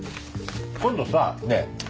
今度さねえ。